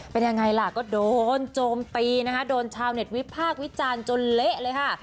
เป็นยังไงล่ะก็โดนโจมตีนะคะโดนชาวเน็ตวิพากษ์วิจารณ์จนเละเลยค่ะ